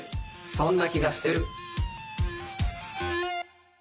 そんな気がしてる。